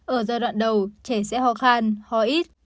ở giai đoạn đầu trẻ sẽ hò khan hò ít